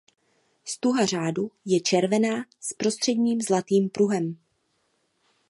Stuha řádu je červená s prostředním zlatým pruhem.